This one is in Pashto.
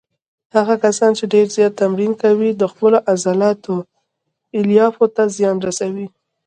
هغه کسان چې ډېر زیات تمرین کوي د خپلو عضلاتو الیافو ته زیان ورسوي.